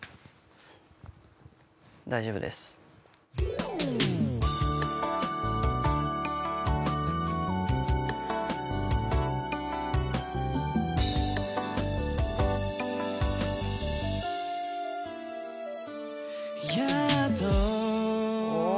大丈夫です。おっ。